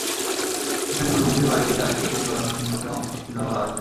এখানে গুরুগম্ভীর ভারিক্কি চালের কেশর দোলানো সিংহকে অমিত শক্তিধর বলা হয়েছে।